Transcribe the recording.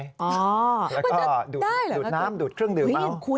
อ๋อมันจะได้เหรอแล้วก็ดูดน้ำดูดเครื่องดื่มมา